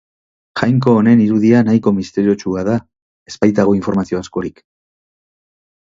Jainko honen irudia nahiko misteriotsua da ez baitago informazio askorik.